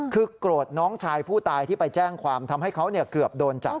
คือโกรธน้องชายผู้ตายที่ไปแจ้งความทำให้เขาเกือบโดนจับ